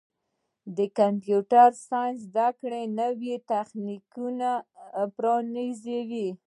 د کمپیوټر ساینس زدهکړه نوې تخنیکي لارې پرانیزي.